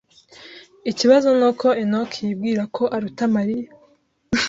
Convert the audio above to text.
Ikibazo nuko Enoch yibwira ko aruta Mariya.